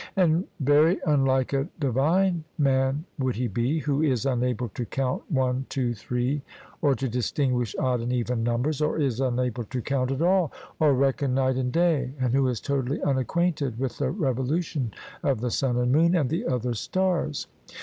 And very unlike a divine man would he be, who is unable to count one, two, three, or to distinguish odd and even numbers, or is unable to count at all, or reckon night and day, and who is totally unacquainted with the revolution of the sun and moon, and the other stars.